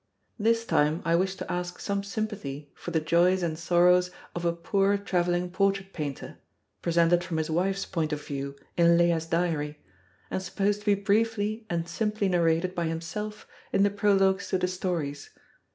This time I wish to ask some sympathy for the joys and sorrows of a poor traveling portrait painter presented from his wife's point of view in "Leah's Diary," and supposed to be briefly and simply narrated by himself in the Prologues to the stories.